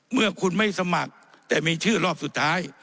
เมื่อคุณไม่สมัครแต่มีชื่อรอบสุดท้าย